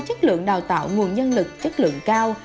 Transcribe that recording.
chất lượng đào tạo nguồn nhân lực chất lượng cao